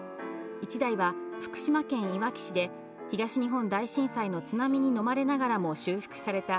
１台は、福島県いわき市で東日本大震災の津波に飲まれながらも修復された